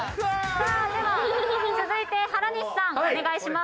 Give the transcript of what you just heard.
さあでは続いて原西さんお願いします。